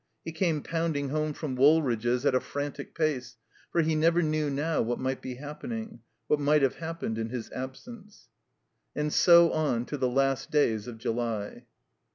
He came IX)unding home from Woolridge's at a frantic pace, for he never knew now what might be happening, what might have happened in his absence. And so on to the last days of July.